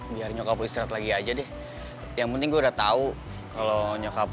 biar nyokap lagi aja deh yang penting udah tahu kalau nyokap